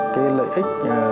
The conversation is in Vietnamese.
cái lợi ích